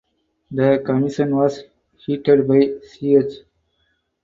The Commission was headed by Ch.